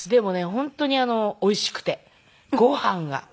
本当においしくてご飯が。